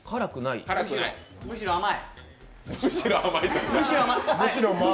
むしろ甘い？